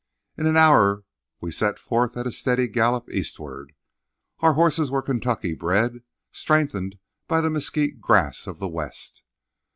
In an hour we set forth at a steady gallop eastward. Our horses were Kentucky bred, strengthened by the mesquite grass of the west.